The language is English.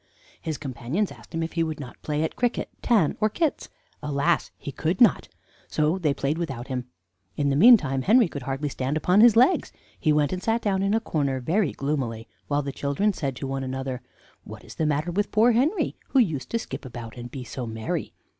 "His companions asked him if he would not play at cricket, tan, or kits. Alas! he could not; so they played without him. In the meantime Henry could hardly stand upon his legs; he went and sat down in a corner very gloomily, while the children said one to another: 'What is the matter with poor Henry, who used to skip about and be so merry?